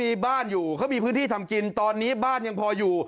มีบ้านอยู่เขามีพื้นที่ทำกินตอนนี้บ้านยังพออยู่